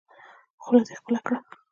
خوله دې خپله کړه.